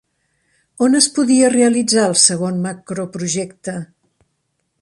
On es podia realitzar el segon macroprojecte?